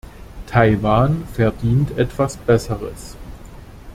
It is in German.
Taiwan verdient etwas Besseres.